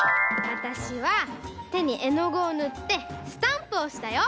わたしはてにえのぐをぬってスタンプをおしたよ。